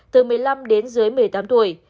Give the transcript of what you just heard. từ một mươi năm đến dưới một mươi tám tuổi